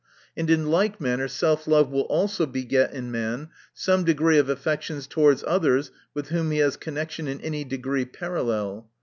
And in like manner self love will also beget in a man some degree of affections, towards others, with whom he has connection in any degree parallel.